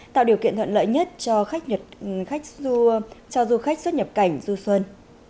tạo điều kiện thuận lợi nhất cho khách du khách xuất nhập cảnh du xuân